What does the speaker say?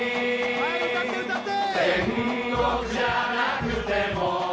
はい酒井歌って歌って・